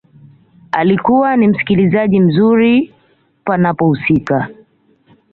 Alikuwa ni msikilizaji mzuri panapohusika